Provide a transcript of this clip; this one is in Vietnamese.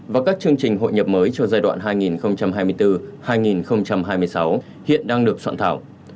và các chương trình hội nhập mới cho giai đoạn hai nghìn hai mươi bốn hai nghìn hai mươi sáu hiện đang được soạn thảo